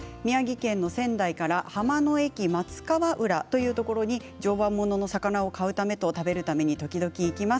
宮城県の仙台から浜の駅、松川浦というところに常磐ものの魚を買うためと食べるためにという時々行きます。